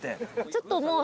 ちょっともう。